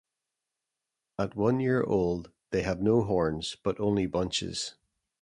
At one year old they have no horns, but only bunches.